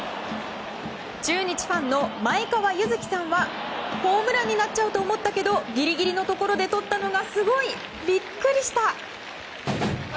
中日ファンの前川優月さんはホームランになっちゃうと思ったけどギリギリのところでとったのがすごい。びっくりした！